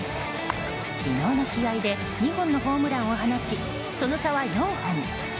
昨日の試合で２本のホームランを放ちその差は４本に。